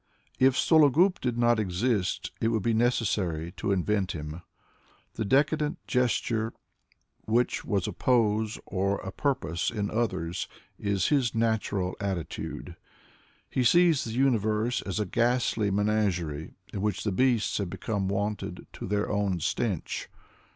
If Sologub did not exist, it would be necessary to invent him. The decadent gesture, which was a pose or a purpose in others, is bis natural attitude. He sees the universe as a ghastly menagerie in which the beasts have become wonted to their own stench.